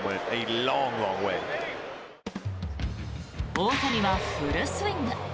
大谷はフルスイング。